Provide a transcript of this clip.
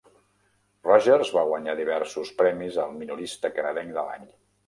Rogers va guanyar diversos premis al "Minorista canadenc de l'any".